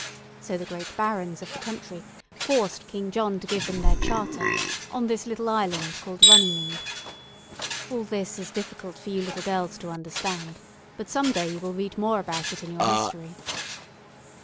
So the great barons of the country forced King John to give them their 'Charter,' on this little island, called Runnymede. All this is difficult for you little girls to understand, but some day you will read more about it in your history."